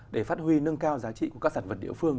để phát huy nâng cao giá trị của các sản vật địa phương